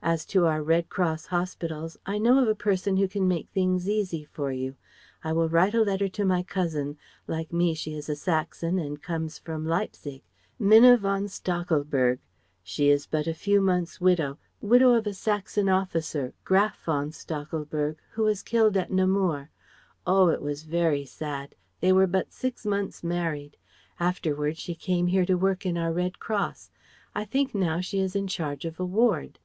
As to our Red Cross hospitals, I know of a person who can make things easy for you. I will write a letter to my cousin like me she is a Saxon and comes from Leipzig Minna von Stachelberg. She is but a few months widow, widow of a Saxon officer, Graf von Stachelberg who was killed at Namur. Oh! it was very sad; they were but six months married. Afterwards she came here to work in our Red Cross I think now she is in charge of a ward..."